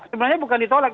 sebenarnya bukan ditolak